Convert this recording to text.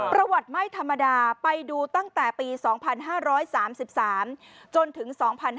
ประวัติไม่ธรรมดาไปดูตั้งแต่ปี๒๕๓๓จนถึง๒๕๕๙